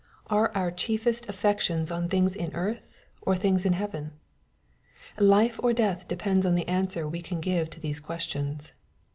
Are our chiefest affections on things in earth, or things in heaven ? Life or death depends on the answer we can give to these questions.